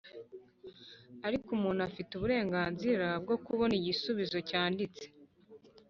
ariko umuntu afite uburenganzira bwo kubona igisubizo cyanditse